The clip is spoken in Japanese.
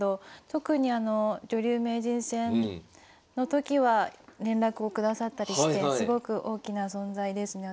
特にあの女流名人戦の時は連絡を下さったりしてすごく大きな存在ですね